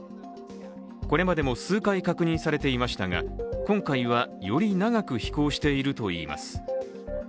これまでも数回確認されていましたが今回はより長く飛行しているといいます。